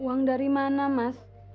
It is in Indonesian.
uang dari mana mas